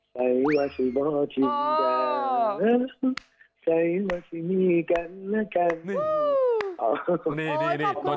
ใส่ว่าสิบอทิมกันใส่ว่าสินี่กันและกัน